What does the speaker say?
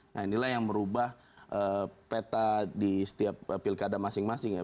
nah inilah yang merubah peta di setiap pilkada masing masing ya